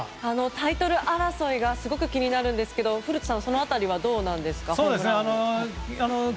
タイトル争いがすごく気になるんですが古田さん、その辺りはどうなんですか？